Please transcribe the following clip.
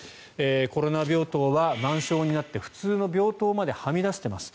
コロナ病棟は満床になって普通の病棟まではみ出しています。